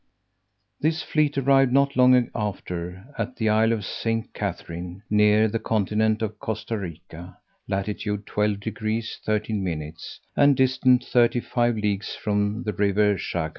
This fleet arrived, not long after, at the isle of St. Catherine, near the continent of Costa Rica, latitude 12 deg. 30 min. and distant thirty five leagues from the river Chagre.